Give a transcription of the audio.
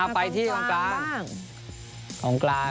ไปที่ของกลาง